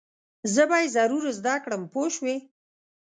زه به یې ضرور زده کړم پوه شوې!.